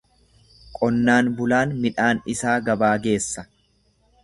Qonnaan bulaan midhaan isaa gabaa geessa.